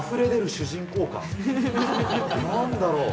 何だろう？